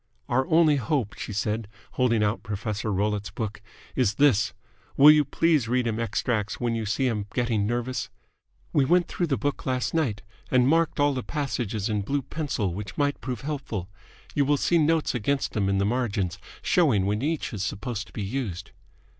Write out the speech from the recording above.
"Our only hope," she said, holding out Professor Rollitt's book, "is this. Will you please read him extracts when you see him getting nervous? We went through the book last night and marked all the passages in blue pencil which might prove helpful. You will see notes against them in the margin, showing when each is supposed to be used."